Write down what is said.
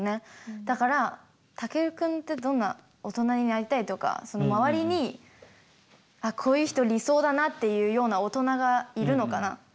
だからタケルくんってどんな大人になりたいとか周りにあっこういう人理想だなっていうような大人がいるのかな？